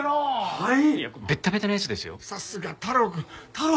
はい。